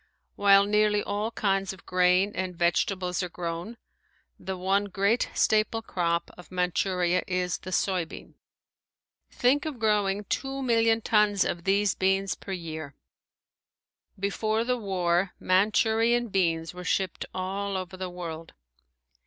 While nearly all kinds of grain and vegetables are grown, the one great staple crop of Manchuria is the soybean. Think of growing two million tons of these beans per year! Before the war Manchurian beans were shipped all over the world.